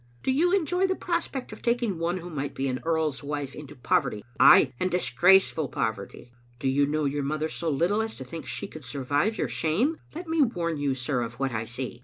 Do you enjoy the prospect of taking one who might be an earl's wife into poverty — ay, and disgraceful poverty? Do you know your mother so little as to think she could survive your shame? Let me warn you, sir, of what I see.